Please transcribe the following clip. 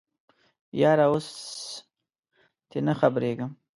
یاره اوس تې نه خبریږم